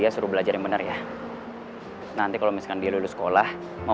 sampai jumpa di sana